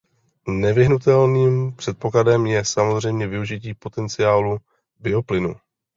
Nevyhnutelným předpokladem je samozřejmě využití potenciálu bioplynu.